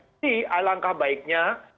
jadi alangkah baiknya